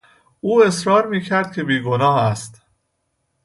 او اصرار میکرد که بیگناه است.